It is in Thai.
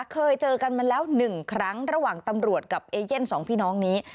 เคยเจอกันมาแล้ว๑ครั้งระหว่างตำรวจกับเอเย่นสองพี่น้องนี้